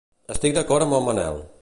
Estic d'acord amb el Manel.